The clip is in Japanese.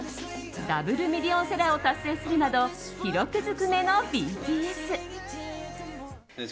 ダブルミリオンセラーを達成するなど記録ずくめのＢＴＳ。